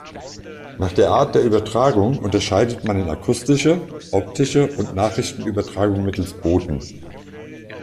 Nach der Art der Übertragung unterscheidet man in akustische, optische und Nachrichtenübertragung mittels Boten.